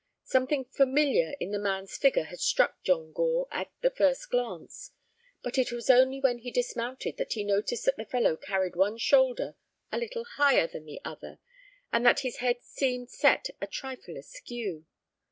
Something familiar in the man's figure had struck John Gore at the first glance, but it was only when he dismounted that he noticed that the fellow carried one shoulder a little higher than the other, and that his head seemed set a trifle askew.